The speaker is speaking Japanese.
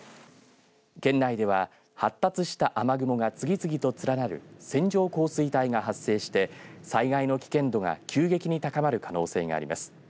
県内では発達した雨雲が次々と連なる線状降水帯が発生して災害の危険度が急激に高まる可能性があります。